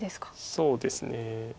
そうですね。